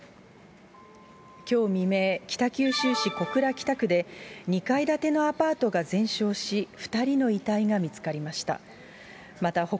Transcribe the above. きょう未明、北九州市小倉北区で２階建てのアパートが全焼し、２人の遺体が見つかりました。